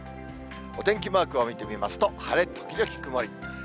お天気マークを見てみますと、晴れ時々曇り。